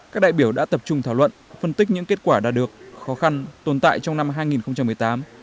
các đại biểu đã tập trung thảo luận phân tích những kết quả đạt được khó khăn tồn tại trong năm hai nghìn một mươi tám